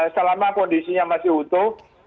selama kondisinya masih utuh